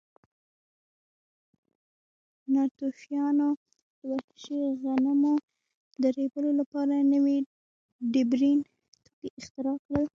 ناتوفیانو د وحشي غنمو د ریبلو لپاره نوي ډبرین توکي اختراع کړل.